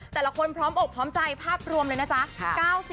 แต่ละคนพร้อมอกพร้อมใจภาพรวมเลยนะจ๊ะ